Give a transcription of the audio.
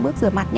bước rửa mặt nhé